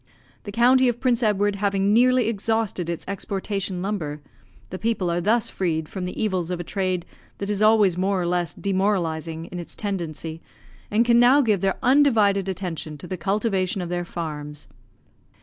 The county of Prince Edward having nearly exhausted its exportation lumber the people are thus freed from the evils of a trade that is always more or less demoralising in its tendency and can now give their undivided attention to the cultivation of their farms.